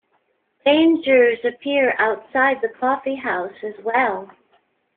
Dangers appear outside the coffee house as well.